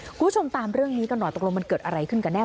คุณผู้ชมตามเรื่องนี้กันหน่อยตกลงมันเกิดอะไรขึ้นกันแน่